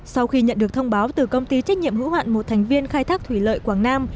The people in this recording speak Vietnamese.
sau khi nhận được thông báo từ công ty trách nhiệm hữu hạn một thành viên khai thác thủy lợi quảng nam